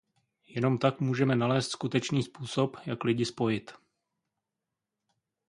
Jenom tak můžeme nalézt skutečný způsob, jak lidi spojit.